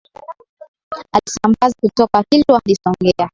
Aliisambaza kutoka Kilwa hadi Songea